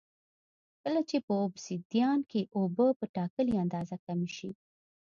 کله چې په اوبسیدیان کې اوبه په ټاکلې اندازه کمې شي